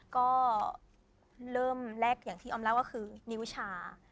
ก็เริ่มแรกอย่างที่ออมเล่าก็คือนิ้วชา